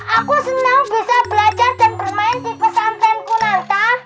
aku senang bisa belajar dan bermain tipe santen kunanta